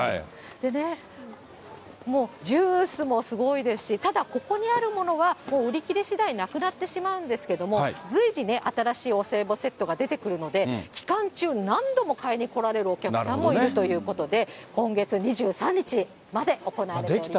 でね、もうジュースもすごいですし、ただ、ここにあるものは、もう売り切れしだいなくなってしまうんですけれども、随時ね、新しいお歳暮セットが出てくるので、期間中、何度も買いに来られるお客さんもいるということで、今月２３日まで行われております。